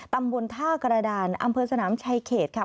ตำบลท่ากระดานอำเภอสนามชายเขตค่ะ